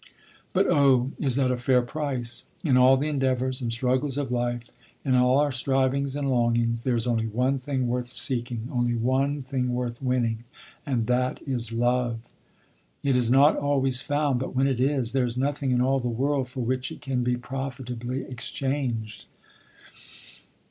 But, oh! is that a fair price? In all the endeavors and struggles of life, in all our strivings and longings, there is only one thing worth seeking, only one thing worth winning, and that is love. It is not always found; but when it is, there is nothing in all the world for which it can be profitably exchanged.